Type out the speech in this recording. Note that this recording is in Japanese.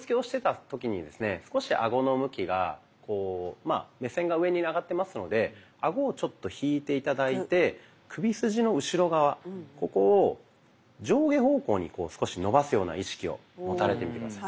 まあ目線が上に上がってますのでアゴをちょっと引いて頂いて首筋の後ろ側ここを上下方向に少し伸ばすような意識を持たれてみて下さい。